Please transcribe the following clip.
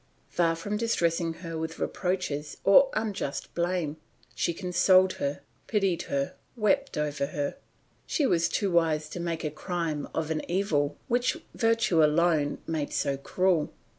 Far from distressing her with reproaches or unjust blame, she consoled her, pitied her, wept over her; she was too wise to make a crime of an evil which virtue alone made so cruel.